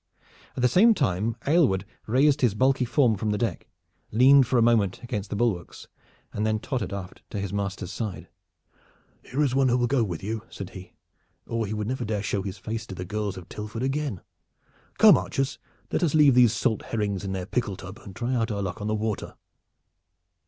At the same time Aylward raised his bulky form from the deck, leaned for a moment against the bulwarks, and then tottered aft to his master's side. "Here is one that will go with you," said he, "or he would never dare show his face to the girls of Tilford again. Come, archers, let us leave these salt herrings in their pickle tub and try our luck out on the water."